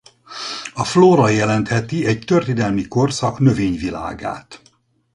A flóra jelentheti egy történelmi korszak növényvilágát.